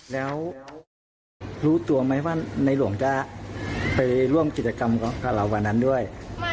แล้วรู้ตัวไหมว่าในหลวงจะไปร่วมกิจกรรมกับเราวันนั้นด้วย